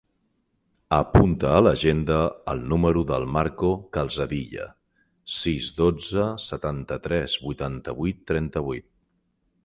Apunta a l'agenda el número del Marco Calzadilla: sis, dotze, setanta-tres, vuitanta-vuit, trenta-vuit.